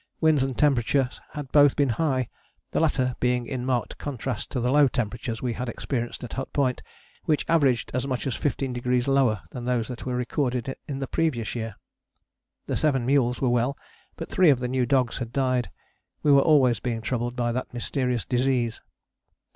Winds and temperatures had both been high, the latter being in marked contrast to the low temperatures we had experienced at Hut Point, which averaged as much as 15° lower than those that were recorded in the previous year. The seven mules were well, but three of the new dogs had died: we were always being troubled by that mysterious disease.